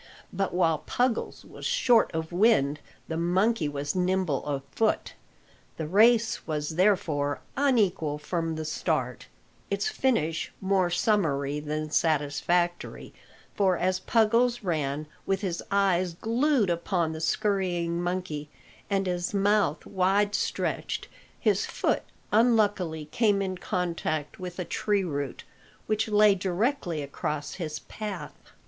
But while Puggles was short of wind, the monkey was nimble of foot. The race was, therefore, unequal from the start, its finish more summary than satisfactory; for as Puggles ran, with his eyes glued upon the scurrying monkey, and his mouth wide stretched, his foot unluckily came in contact with a tree root, which lay directly across his path.